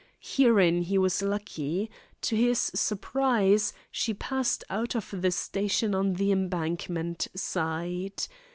Herein he was lucky. To his surprise, she passed out of the station on the embankment side.